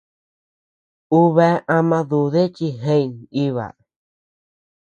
Ú bea ama dudi chi jeʼeñ naíba.